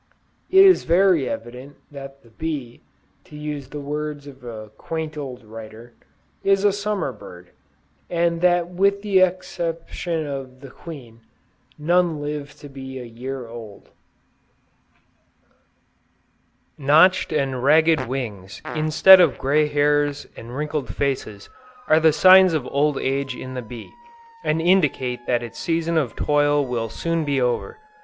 It is very evident that "the bee," (to use the words of a quaint old writer,) "is a summer bird," and that with the exception of the queen, none live to be a year old. Notched and ragged wings, instead of gray hairs and wrinkled faces, are the signs of old age in the bee, and indicate that its season of toil will soon be over.